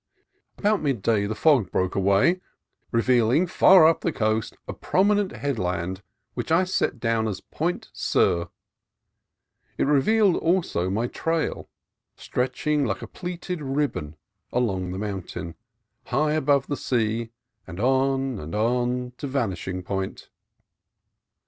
About midday the fog broke away, revealing, far up the coast, a prominent headland which I set down as Point Sur. It revealed also my trail, stretching like a pleated ribbon along the mountain, high above the sea, on and on to vanishing point.